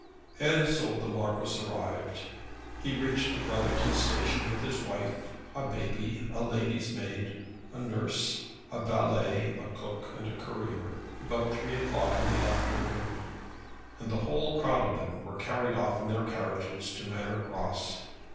And so the Marquis arrived. He reached the Brotherton station with his wife, a baby, a lady's maid, a nurse, a valet, a cook, and a courier, about three o'clock in the afternoon; and the whole crowd of them were carried off in their carriages to Manor Cross.